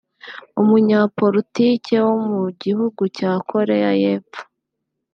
umunyapolitiki wo mu gihugu cya Koreya y’Epfo